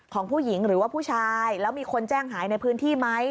ของผู้หญิงหรือว่าผู้ชายแล้วมีคนแจ้งหายในพื้นที่ไหม